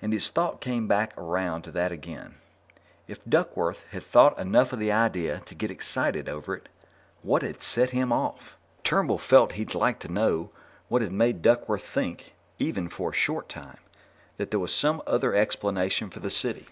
And his thoughts came back around to that again. If Duckworth had thought enough of the idea to get excited over it, what had set him off? Even if it had later proved to be a bad lead, Turnbull felt he'd like to know what had made Duckworth think even for a short time that there was some other explanation for the City.